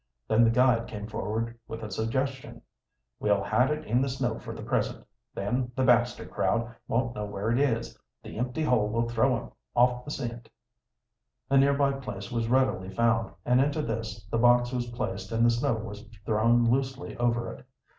Then the guide came forward with a suggestion. "We'll hide it in the snow for the present. Then the Baxter crowd won't know where it is. The empty hole will throw 'em off the scent." A nearby place was readily found, and into this the box was placed and the snow was thrown loosely over it.